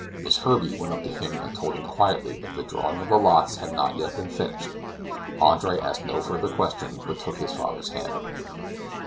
Miss Herbey went up to him and told him quietly that the drawing of the lots had not yet been finished. Andre asked no further question, but took his father's hand.